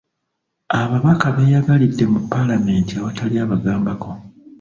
Ababaka beeyagalidde mu palamenti awatali abagambako.